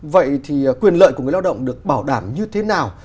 vậy thì quyền lợi của người lao động được bảo đảm như thế nào